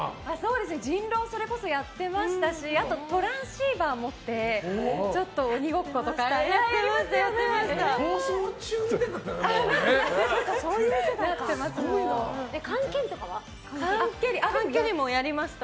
人狼それこそやっていましたしトランシーバーを持って鬼ごっことかやってました。